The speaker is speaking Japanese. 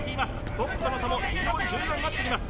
トップとの差も非常に重要になってきます